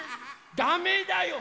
ダメだよ！